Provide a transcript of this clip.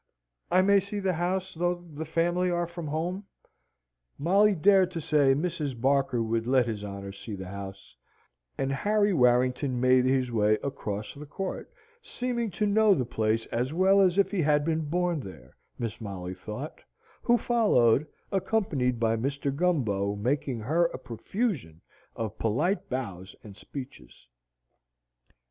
I may see the house, though the family are from home?" Molly dared to say Mrs. Barker would let his honour see the house, and Harry Warrington made his way across the court, seeming to know the place as well as if he had been born there, Miss Molly thought, who followed, accompanied by Mr. Gumbo making her a profusion of polite bows and speeches.